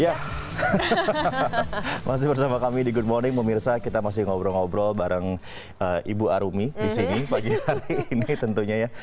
ya masih bersama kami di good morning pemirsa kita masih ngobrol ngobrol bareng ibu arumi di sini pagi hari ini tentunya ya